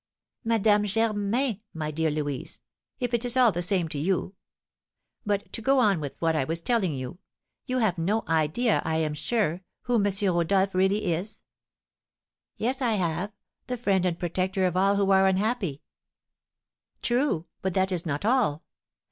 "Madame Germain, my dear Louise, if it is all the same to you; but to go on with what I was telling you, you have no idea, I am sure, who M. Rodolph really is?" "Yes, I have, the friend and protector of all who are unhappy." "True, but that is not all.